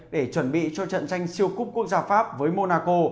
để chuẩn bị cho trận tranh siêu cúp quốc gia pháp với monaco